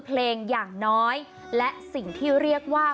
เพลงอย่างน้อยและสิ่งที่เรียกว่า